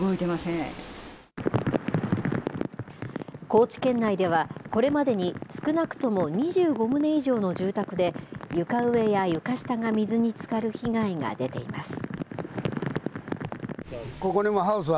高知県内では、これまでに少なくとも２５棟以上の住宅で、床上や床下が水につかる被害が出ています。